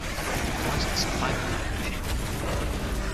It was licensed to Piedmont Publishing Company.